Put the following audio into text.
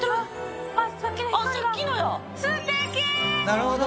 なるほど。